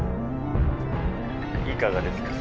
いかがですか？